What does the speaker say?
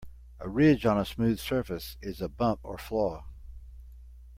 A ridge on a smooth surface is a bump or flaw.